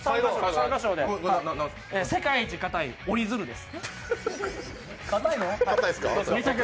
世界一かたい折り鶴です。